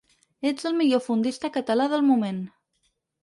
Ets el millor fondista català del moment.